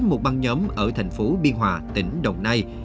một băng nhóm ở thành phố biên hòa tỉnh đồng nai